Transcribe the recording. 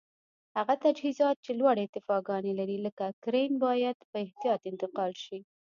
هغه تجهیزات چې لوړې ارتفاګانې لري لکه کرېن باید په احتیاط انتقال شي.